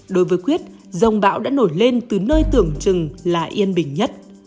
đối với quyết dòng bão đã nổi lên từ nơi tưởng chừng là yên bình nhất